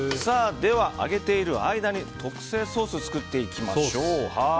では、揚げている間に特製ソースを作っていきましょう。